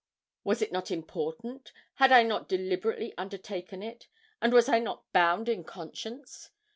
Was it not important had I not deliberately undertaken it and was I not bound in conscience?